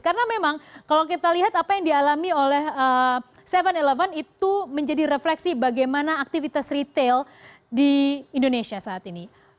karena memang kalau kita lihat apa yang dialami oleh seven eleven itu menjadi refleksi bagaimana aktivitas retail di indonesia saat ini